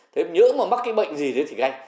thế nhỡ mà mắc cái bệnh gì thì gây